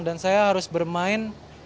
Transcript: dan saya harus bermain